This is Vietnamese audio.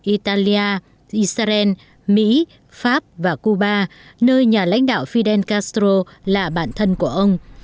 italia israel mỹ pháp và cuba nơi nhà lãnh đạo fidel castro là bản thân của ông